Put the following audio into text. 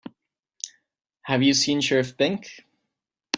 Have you seen Sheriff Pink?